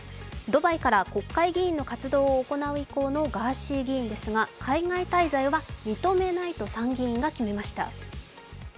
ドバイから国会議員の活動を行う意向のガーシー議員ですが海外滞在は認めないと参議院が決めました。